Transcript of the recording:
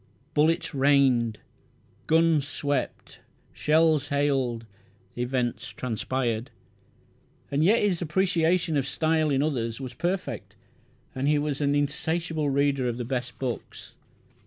Bullets "rained"; guns "swept"; shells "hailed"; events "transpired", and yet his appreciation of style in others was perfect, and he was an insatiable reader of the best books.